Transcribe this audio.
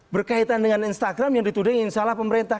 berkaitan dengan instagram yang ditudingin salah pemerintah